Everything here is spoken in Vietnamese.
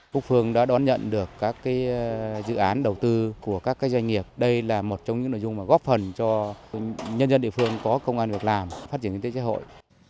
phúc phương đã đón nhận được các dự án đầu tư của các doanh nghiệp đây là một trong những nội dung góp phần cho nhân dân địa phương có công an việc làm phát triển kinh tế chế hội